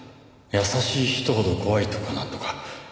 「優しい人ほど怖い」とかなんとか。